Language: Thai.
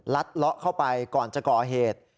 เลาะเข้าไปก่อนจะก่อเหตุ